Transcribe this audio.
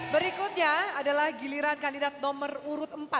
berikutnya adalah giliran kandidat nomor urut empat untuk menanggapi